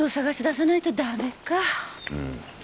うん。